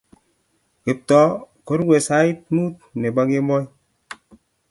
Kiptoo korue sait mut nebo kemboi